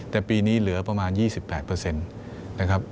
แต่ปีนี้เหลือประมาณ๒๘นะครับ